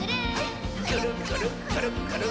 「くるっくるくるっくる」